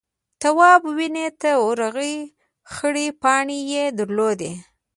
تواب ونې ته ورغئ خړې پاڼې يې درلودې.